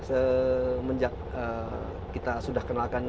semenjak kita sudah kenalkan